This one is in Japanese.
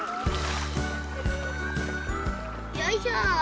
よいしょ。